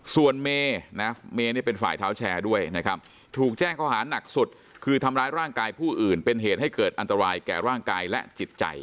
ส่วนเมนะเมนี่เป็นฝ่ายเท้าแชร์ด้วยนะครับถูกแจ้งข้อหานักสุดคือทำร้ายร่างกายผู้อื่นเป็นเหตุให้เกิดอันตรายแก่ร่างกายและจิตใจ